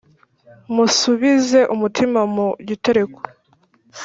musubize umutima mu gitereko,